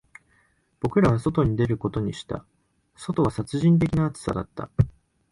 僕らは外に出ることにした、外は殺人的な暑さだった